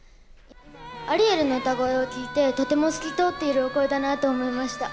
アリエルの歌声を聞いて、とても透き通っているお声だなと思いました。